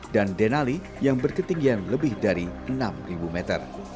dan denali yang berketinggihan lebih dari enam meter